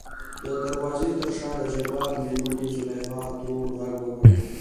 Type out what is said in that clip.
د دروازې تر شا دجبار مېرمنې زليخا ترور غږ وکړ .